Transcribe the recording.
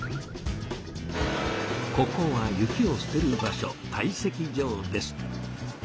ここは雪を捨てる場所「堆積場」です。